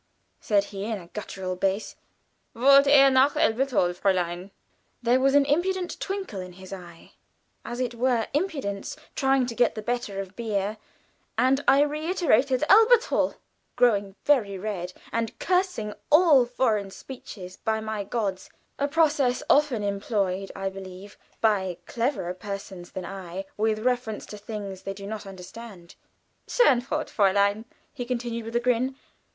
said he in a guttural bass; "Wollt ihr nach Elberthal, fräuleinchen!" There was an impudent twinkle in his eye, as it were impertinence trying to get the better of beer, and I reiterated "Elberthal," growing very red, and cursing all foreign speeches by my gods a process often employed, I believe, by cleverer persons than I, with reference to things they do not understand. "Schon fort, Fräulein," he continued, with a grin.